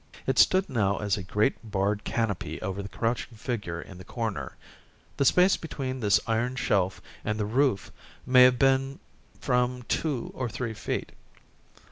It stood now as a great barred canopy over the crouching figure in the corner. The space between this iron shelf and the roof may have been from two or three feet.